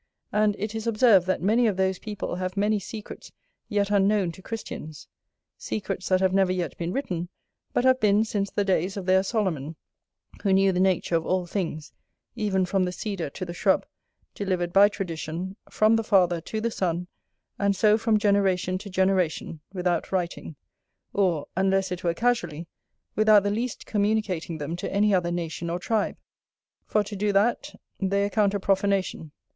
And it is observed that many of those people have many secrets yet unknown to Christians; secrets that have never yet been written, but have been since the days of their Solomon, who knew the nature of all things, even from the cedar to the shrub, delivered by tradition, from the father to the son, and so from generation to generation, without writing; or, unless it were casually, without the least communicating them to any other nation or tribe; for to do that they account a profanation.